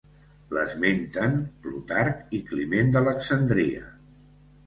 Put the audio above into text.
L'esmenten Plutarc i Climent d'Alexandria.